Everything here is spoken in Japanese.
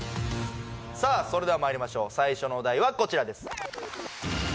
さあそれではまいりましょう最初のお題はこちらですお考えください